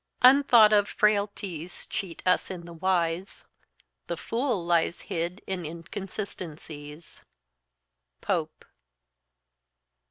"Unthought of frailties cheat us in the wise; The fool lies hid in inconsistencies." POPE.